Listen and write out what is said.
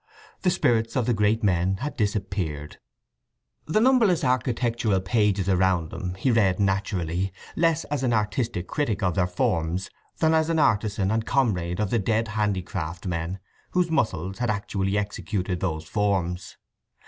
The spirits of the great men had disappeared. The numberless architectural pages around him he read, naturally, less as an artist critic of their forms than as an artizan and comrade of the dead handicraftsmen whose muscles had actually executed those forms.